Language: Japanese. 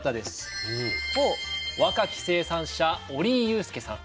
若き生産者折井祐介さん。